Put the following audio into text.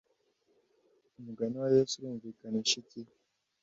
umugani wa Yesu urumvikanisha iki